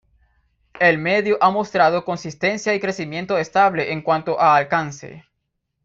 El medio ha mostrado consistencia y crecimiento estable en cuanto a alcance.